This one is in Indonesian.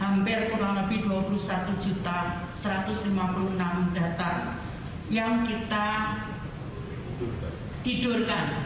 hampir kurang lebih dua puluh satu satu ratus lima puluh enam data yang kita tidurkan